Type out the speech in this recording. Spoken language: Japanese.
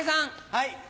はい。